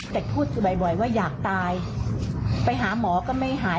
แต่พูดอยู่บ่อยว่าอยากตายไปหาหมอก็ไม่หาย